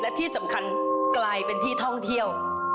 และที่สำคัญกลายเป็นที่ท่องเที่ยว